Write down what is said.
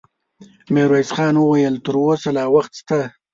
ميرويس خان وويل: تر اوسه لا وخت شته.